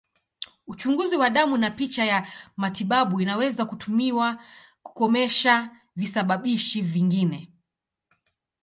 Uchunguzi wa damu na picha ya matibabu inaweza kutumiwa kukomesha visababishi vingine.